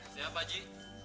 siap pak haji